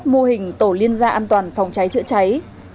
bảy mươi một mô hình tổ liên gia an toàn phòng cháy chữa cháy